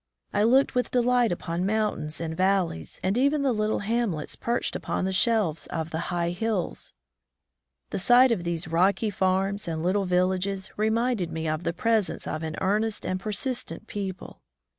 I looked with delight upon mountains and valleys, and even the little hamlets perched upon the shelves of the high hiUs. The sight of these rocky farms and little villages reminded me of the pres ence of an earnest and persistent people.